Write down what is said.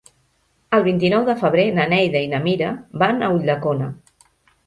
El vint-i-nou de febrer na Neida i na Mira van a Ulldecona.